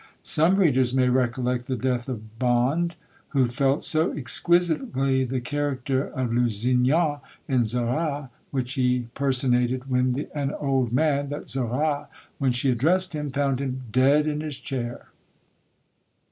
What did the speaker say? Some readers may recollect the death of Bond, who felt so exquisitely the character of Lusignan in Zara, which he personated when an old man, that Zara, when she addressed him, found him dead in his chair.